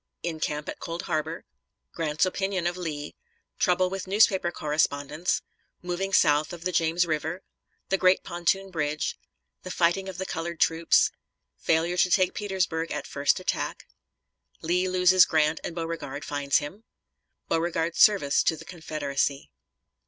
In camp at Cold Harbor Grant's opinion of Lee Trouble with newspaper correspondents Moving south of the James River The great pontoon bridge The fighting of the colored troops Failure to take Petersburg at first attack Lee loses Grant and Beauregard finds him Beauregard's service to the Confederacy.